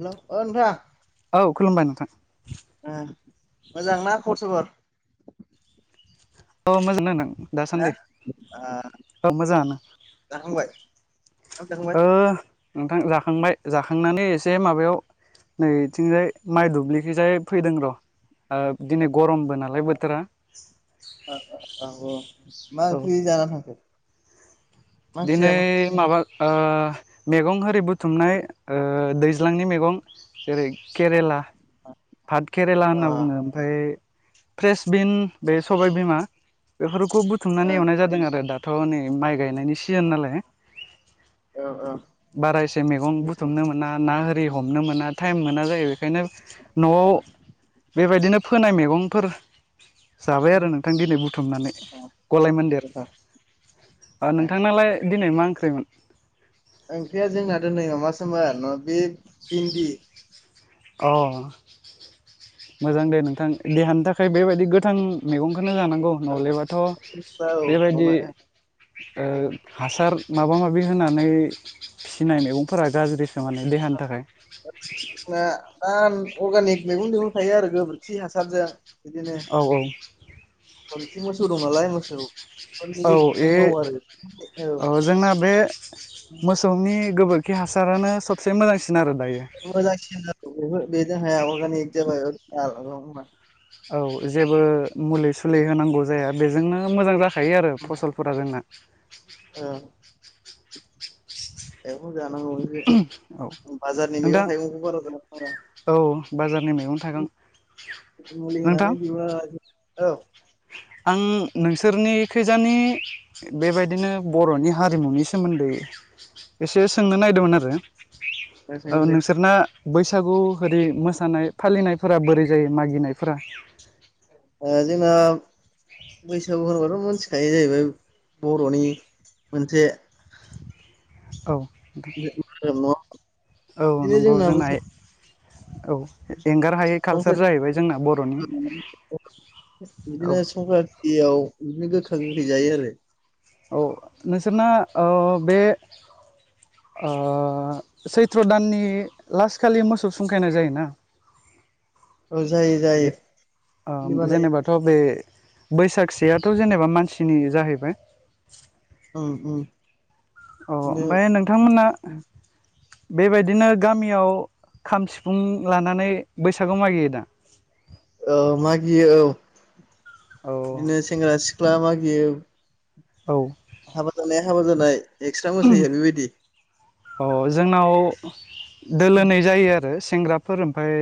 Hello ओ औ खुलुमबाय नोंथां। मोजांना [unintelligible] औ मोजांनो नों ना दासान्दि ओ औ मोजाङानो। जाखांबाय ओ [unintelligible] नोंथां जाखांबाय जाखांनानै एसे माबायाव नैथिंजाय माइ दुब्लिखैजाय फैदों र'। ओ दिनै गरमबो नालाय बोथोरा औ मा औ ओंख्रि जाना थांखो मा ओंख्रि दिनै जायामोन माबा ओ मैगं रि बुथुमनाय दैज्लांनि मैगं जेरै केरेला [unintelligible] केरेला अ होनना बुङो ओमफ्राय फ्रेसबिन बे सबायाइबिमा बेफोरखौ बुथुमनानै एवनाय जादों आरो दाथ' नै माइ गायनायनि सिजोन नालाय ओ औ औ बारा एसे मैगं बुथुमनो मोना ना आरि हमनो मोना टाइम [unintelligible] मोना जायो बेखायनो न'आव बेबायदिनो फोनाय मैगंफोर जाबाय आरो नोंथां दिनै बुथुमनानै गलाय मोन्देर। गोथाव ओ ए नोंथांनालाय दिनै मा ओंख्रिमोन। ओंख्रिया जोंना दोनै माबासोमोन बे भिन्दि। अ' मोजां दे नोंथां देहानि थाखाय बेबायदि गोथां मैगं बेफोरनो जानांगौ नलेबाथ' औ बेबायदि नङा ओ जोंना हासार माबा माबि होनानै फिसिनाय मैगंफोरा गाज्रि। नङानो देहानि थाखाय। दा अर्गानिक मैगं थेगं थायो आरो गोबोरखि हासारजों औ -औ। बोर्थि मोसौ दं नालाय मोसौ फोरनि औ गोबोरखिजों ए मावो आरो औ ओ बे जोंना बे मोसौनि गोबोरखि हासारानो सबसे मोजां [unintelligible] बेजोंहाया अर्गानिक जाबाय [unintelligible] औ जेबो मुलि सुलि होनांगौ जाया बेजोंनो मोजां जाख यो आरो फसलफोरा जोंना। ओ [unintelligible] जानांगौ जे औ बाजारनि नोंथां मैगं थाइगंखौ बारा जानाङा ब्रा। औ बाजारनि मैगं-थाइगं। मुलि होनानै बिबा औ। आं नोंसोरनि खैजानि बेबायदिनो बर'नि हारिमुनि सोमोन्दै एसे सोंनो नागिरदोंमोन आरो। रासायनिक ओ मुलि। नोंसोरना बैसागु होरि मोसानाय फालिनायफोरा बोरै जायो मागिनायफोरा? ओ जोङो बैसागु होनबाथ' मिनथिखायो जाहैबाय बर'नि मोनसे औ धोरोम नङा, औ बिदिनो नंगौ जोंना बैसागु औ एंगार हायै कालचार संक्रान्ति जाहैबाय जोंना बर'नि। औ बिदिनो संक्रान्तियाव बिदिनो गोखा गोखै जायो आरो। औ नोंसोरना ओ बे ओ सैथ्र' दाननि लास्ट खालि मोसौ सुंखायनाय जायोना? [inaudible] जायो जे ओ बिदि बानायो जेनेबाथ' बे बैसागसेयाथ' जेनेबा मानसिनि जाहैबाय। औ औ। अ' ओमफ्राय नोंथांमोना बेबायदिनो गामियाव खाम सिफुं लानानै बैसागु मागियो दा? औ मागियो औ औ बिदिनो सेंग्रा सिख्ला मागियो । औ। हाबा जानाया हाबा जानाय एक्सट्रा मोसायो बेबायदि अ' जोंनाव दोलोनै जायो आरो सेंग्राफोर ओमफ्राय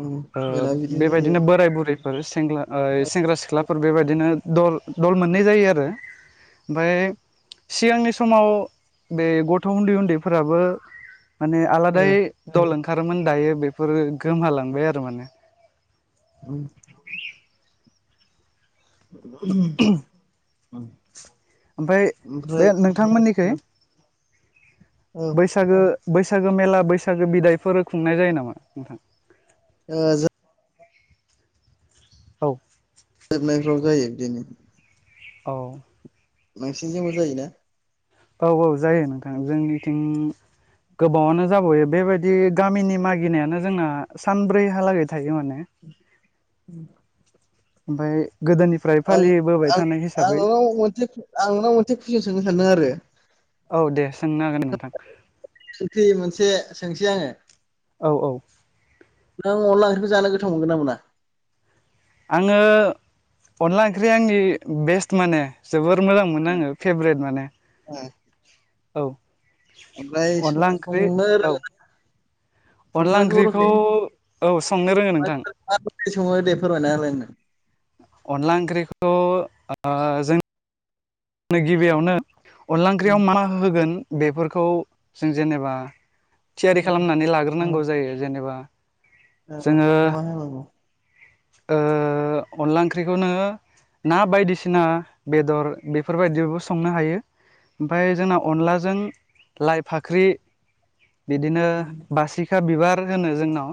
उम ओ जोंना बिदिनो जायो बेबायदिनो बोराय बुरै। सेंग्ला ओइ आरो सेंग्रा सिख्लाफोर बेबायदिनो दल दल मोननै जायो आरो। ओमफाय सिगांनि समाव बे ग थ' उन्दै उन्दैफोराबो माने आलादायै दल ओंखार ओंखारोमोन दायो बेफोरो गोमहालांबाय आरो माने। उम। [unintelligible] ओमफ्राय ओमफ्राय बे नोंथांमोननिखै? औ बैसागो बैसागो मेला बैसागो बिदायफोर खुंनाय जायो नामा नोंथां? ओ जों औ। जोबनायफ्राव जायो बिदिनो। औ। नोंसिन थिंबो जायोना? औ औ जायो नोंथां जोंनिथिं गोबावानो जाबावयो बेबायदि गामिनि मागिनायानो जोंना सानब्रै हलागै थायो माने। उम। ओमफाय गोदोनिफ्राय आं फालिबोबाय आं थानाय आं हिसाबै नोंनाव मोनसे आं नोंनाव मोनसे कुइसन सोंनो सानदों आरो। औ दे। सोंनो हागोन नोंथां [unintelligible] सोंथि मोनसे सोंसै आङो। औ औ नों अनला ओंख्रिखौ जानो गोथाव मोनगोन ना मोना? आङो अनला ओंख्रि आंनि बेस्ट माने। जोबोर मोजां मोनो आङो फेभरेट माने औ ओमफ्राय अनला ओंख्रि सं-संनो औ रोङोना? अनला संनायखौ ओंख्रिखौ औ संनो रोङो नोंथां दे फोरमायना होलाय आंनो अनला ओंख्रिखौ ओ जों नो गिबियावनो अनला ओंख्रियाव मा होगोन बेफोरखौ जों जेनेबा थियारि आंनो खालामनानै लाग्रोनांगौ जायो जेनेबा जोङो [unintelligible] ओ अनला ओंख्रिखौनो ना बायदिसिना बेदर बेफोरबायदियावबो संनो हायो ओमफ्राय जोंना अनलाजों लाइ फाख्रि बिदिनो बासिखा बिबार होनो जोंनाव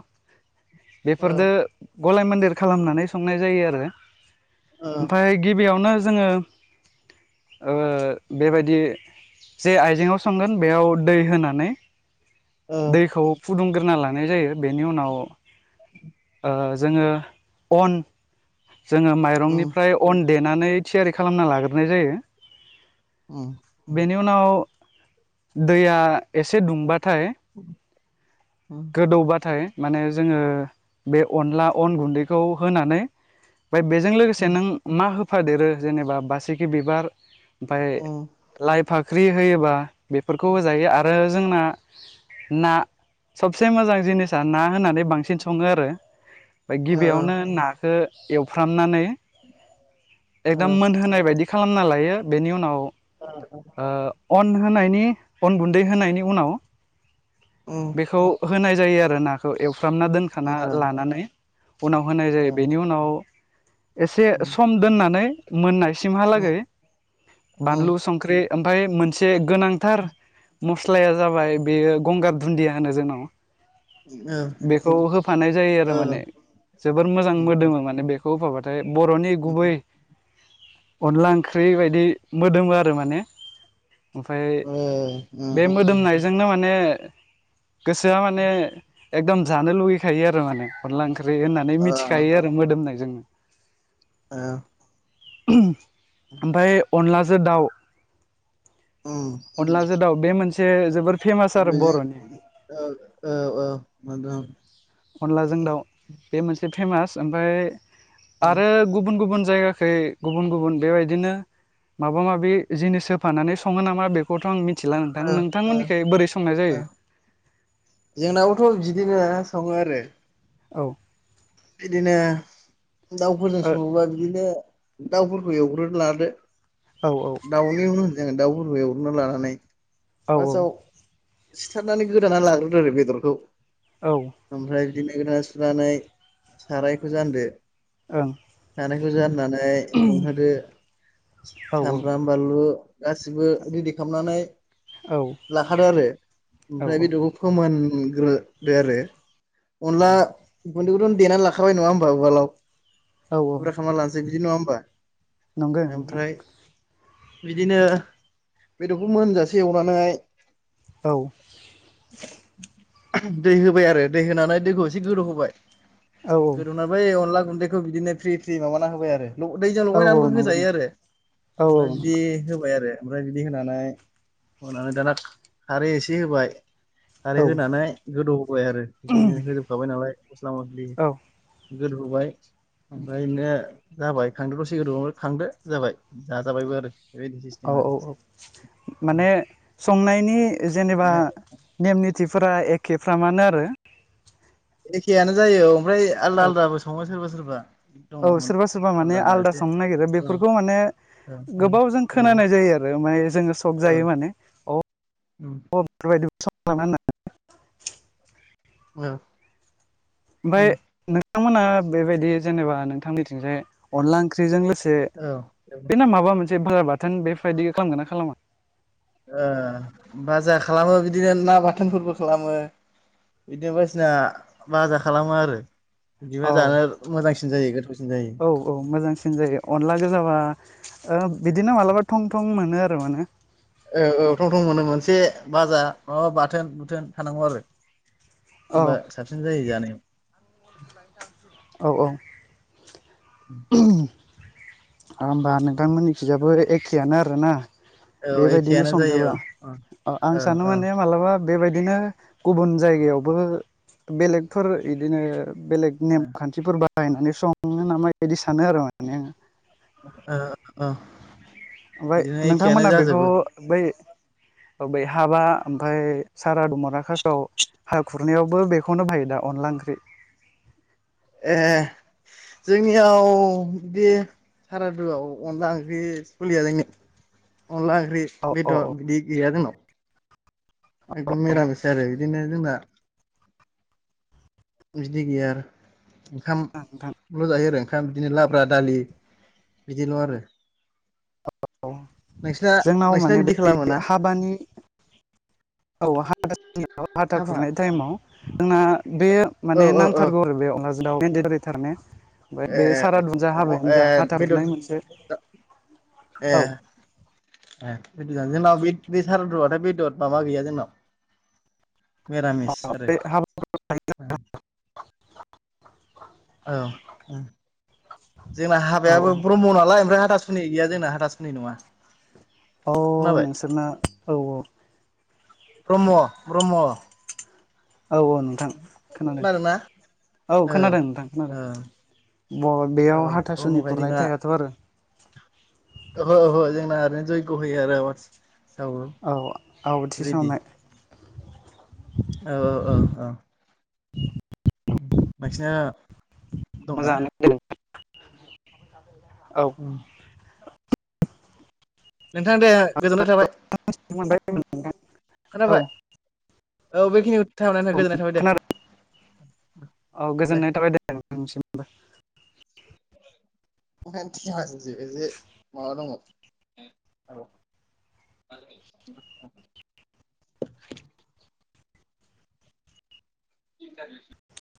बेफोरदो गलाय मोन्देर खालामनानै संनाय जायो आरो ओमफाय गिबियावनो जोङो ओ बेबायदि जे आइजेंआव संगोन बेयाव दै होनानै दैखौ फुदुंग्रोना लानाय जायो बेनि उनाव ओ जोङो अन जोङो माइरंनिफ्राय अन देनानै थियारि खालामना लाग्रोनाय जायो। ओम बेनि उनाव दैया एसे दुंबाथाय गोदौबाथाय माने जोङो बे अनला अन गुन्दैखौ होनानै ओमफ्राय बेजों लोगोसे नों मा होफादेरो जेनेबा बासिखि बिबार ओमफाय लाइ फाख्रि होयोबा बेफोरखौ होजायो आ रो जोंना ना सबसे मोजां जिनिसा ना होननानै बांसिन सङो आरो गिबियावनो नाखौ एवफ्रामनानै एकदम मोनहोनाय बायदि खालामना लायो बेनि उनाव ओ ओ अन होनायनि अन गुन्दै होनायनि उनाव बेखौ होनाय जायो आरो नाखौ एवफ्रामना दोनखाना लानानै उनाव होनाय जायो बेनि उनाव एसे सम दोननानै मोननायसिमहालागै बानलु संख्रि ओमफ्राय मोनसे गोनांथार मस्लाया जाबाय बेयो गंगार दुन्दिया होनो जोंनाव बेखौ होफानाय जायो आरो माने जोबोर मोजां मोदो माने बे खौ होफाबाथाय बर'नि गुबै अनला ओंख्रि बायदि मोदोमो आरो माने ओमफाय बे मोदोमनायजोंनो माने गोसोआ माने एकदम जानो लुगैखायो आरो माने अनला ओंख ख्रै होननानै मिथिखायो आरो मोदोमनायजोंनो औ ओमफाय अनलाजो दाउ ओम जो दाव बे मोनसे जोबोर फेमास आरो बर'नि। औ औ औ मोनदों। अनलाजों दाउ बे मोनसे फेमास ओमफाय ओ आरो गुबुन गुबुन जायगाखै गुबुन गुबुन बेबायदिनो माबा माबि जिनिस होफानानै सङो नामा बेखौथ' आं मिथ थिला नोंथां ओ नोंथांमोननिखै बोरै संनाय जायो? जोंनाबोथ' बिदिनो सङो आरो। औ बिदिनो दाउफोरजों सङोबा बिदिनो दाउफोरखौ एवग्रो लादो ओ औ दाउनि उन उन जों दाउफोरखौ एवग्रोना लानानै औ पासाव सिथारनानै गोदाना लाग्रोदो आरो बेदरखौ औ ओं ओमफ्राय बिदिनो गोरना सुनानै सारायखौ जानदो। ओं सारायखौ जाननानै दुंहोदो औ सामब्राम बानलु गासिबो रेडि खामनानै लाखादो आरो औ ओमफ्राय बेदरखौ फोमोन ओम ग्रोदो आरो। अनला गुन्दैखौथ' देनानै लाखाबाय नङा होमबा उवालाव? पुरा खालामना लानोसै बिदि नङा होमबा? नंदो नोंथां ओमफ्राय बिदिनो बेदरखौ मोनजासे एवनानै औ दै होबाय आरो दै होनानै दैखौ एसे गोदौ होबाय औ गोदौना बै अनला गुन्दैखौ बिदिनो फ्रि फ्रि माबाना होबाय आरो। न' दैजों औ लगायनानैबो औ नंगौ होजायो नोंथां आरो औ औ ओमफाय बिदि नंगौ होबाय आरो। ओमफ्राय बिदि होनानै होनानै दाना खारै एसे होबाय खारै औ होनानै गोदौ होबाय आरो बिदिनो होजोबखाबाय नालाय मस्ला मस्लि गोदौहोबाय ओमफ्राय दा जाबाय खांदो दसे गोदौनानै खांदो जाबाय जाजाबायबो आरो। बेबायदि सिस्टेम औ आरो औ माने संनायनि जेनेबा नेम निथिफोरा एख खेफ्रामानो आरो। एखेयानो जायो ओमफ्राय आलदा औ आलदाबो सङो सोरबा सोरबा। औ सोरबा सोरबा माने आलदा संनो नागिरो औ बेफोरखौ माने औ औ गोबाव जों खोनानाय जायो आरो माने जोङो सक जायो माने अक [unintelligible] औ औ ओमफाय नोंथांमोना बेबायदि जेनेबा नोंथांनिथिंजाय अनला ओंख्रिजों लोगो से औ बिदिनो माबा मोनसे बुरा बाथोन बेफोरबायदि खामगोन ना खालामा? ओ बाजा खालामो बिदिनो ना बाथोनफोरबो खालामो। बिदिनो बायदिसिना बाजा खालामो आरो। बिदिबा औ जानो मोजांसिन जायो गोथाव औ औ मोजांसिन जायो। अनला गोजाबा ओब बिदिनो मालाबा थं थं मोनो आरो मोनो। बाजा मा बाथोन बुथोन थानांगौ आरो औ होमबा साबसिन जायो जानायाव। औ औ ओम होमबा नोंथांमोननिथिंजायबो एखेआनो आरोना? औ बेबायदिनो एखेयानो जायो संजोबा। औ अ आं औ सानो औ माने मालाबा बेबायदिनो गुबुन जायगायावबो बेलेगफोर इदिनो बेलेग नेम खान्थिफोर बाहायनानै सङो नामा बिदि सानो आरो आङो माने ओ ओ ओमफाय नोंथांमोना बेखौ बै औ बै हाबा ओमफाय सारा [unintelligible] हा खुरनायावबो बेखौनो बाहायो दा अनला ओंख्रि ए जोंनियाव बि सारादुआव अनला ओंख्रि सोलिया जोंनिआव अनला ओंख्रि औ औ बेदर बि गैया जोंनाव औ एखदम निरामिस आरो बिदिनो जोंना बिदि गैया आरो नोंथां ओंखामल' जायो आरो ओंखाम बिदिनो लाब्रा दालि बिदिल' आरो औ नोंसिना जोंनाव नोंसिना माने बे बिदि खालामे ना? हाबानि औ हाथा हाबा खुरनाय टाइमाव जोंना बे औ माने औ औ नांथारगौ आरो बेयाव [unintelligible] ओमफाय ए बे सारादु जा हाबायानो ए जा हाथा बेदर फुरनाय मोनसे ए औ ए बिदि जोंनाव बे बे सारादुआ बेदर माबा गैया जोंनाव मिरामिस आरो बे हाबा [inaudible] औ जोंना औ हाबायाबो औ ब्रह्म नालाय ओमफ्राय हाथासु नि गैया जोंना हाथासुनि नङा। औ खोनाबाय नोंसोरना औ ब्रह्म ब्रह्म औ औ नोंथां। खोनादों मानोना औ खोनादों नोंथां खोनादों। ब औ बेयाव हाथासुनि ब्रह्मखाय खुरनाय जोंना थायाथ' आरो। ओहो ओहो जोंना ओरैनो जयग्य होयो आरो। औ औ थि बिदि सावनाय औ औ औ औ [unintelligible] नोंसिना दंना मोजांआनो ओम। नोंथां दे गोजोननाय थाबाय मोनबाय औ खोनाबाय? औ औ बेखिनिखौ थनानै थाखाय गोजोननाय थाबाय दे। खोनादों औ गोजोननाय थाबाय दे नोंथांनिसिमबो। [unintelligible] माबा दङ [unintelligible] [unintelligible] [unintelligible]